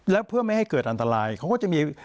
แล้วเพื่อไม่ให้เกิดอันตรายเขาก็จะมี